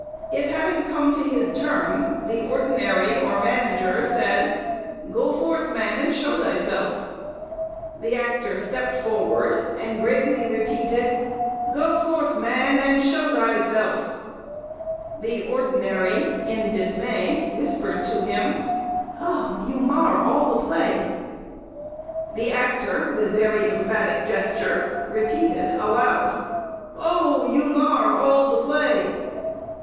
It having come to his turn, the ordinary or manager, said "Goe forthe, man, and shew thy selfe." The actor stepped forward, and gravely repeated, "Goe forthe man, and shew thy selfe." The ordinary, in dismay, whispered to him, "Oh, you marre all the play." The actor, with very emphatic gesture, repeated aloud, "Oh, you marre all the play."